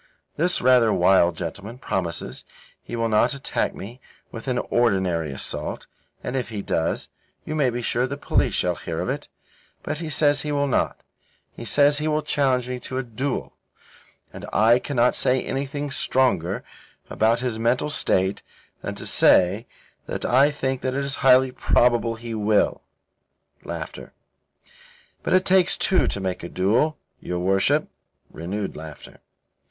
This rather wild gentleman promises that he will not attack me with any ordinary assault and if he does, you may be sure the police shall hear of it. But he says he will not. He says he will challenge me to a duel; and I cannot say anything stronger about his mental state than to say that I think that it is highly probable that he will. But it takes two to make a duel, your worship (renewed laughter).